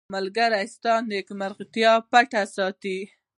• ملګری ستا نیمګړتیاوې پټې ساتي.